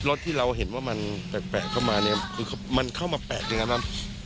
ที่เราเห็นว่ามันแปลกเข้ามาเนี่ยคือมันเข้ามาแปะยังไงบ้าง